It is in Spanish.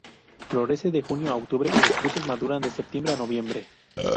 Florece de junio a octubre y los frutos maduran de septiembre a noviembre.